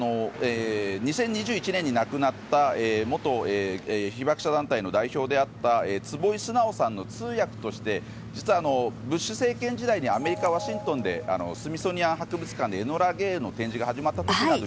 ２０２１年に亡くなった元被爆者団体の代表で会ったツボイ・スナオさんの通訳としてブッシュ政権時代にアメリカ・ワシントンのスミソニアン美術館で「エノラ・ゲイ」の展示が始まった時などに。